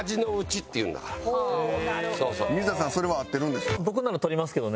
水田さんそれは合ってるんですか？